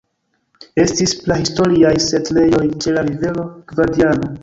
Estis prahistoriaj setlejoj ĉe la rivero Gvadiano.